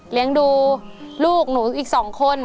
เลี้ยงดูลูกหนูอีก๒คน